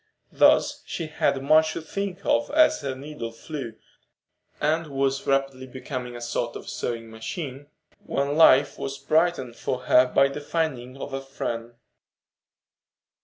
Thus she had much to think of as her needle flew, and was rapidly becoming a sort of sewing machine when life was brightened for her by the finding of a friend.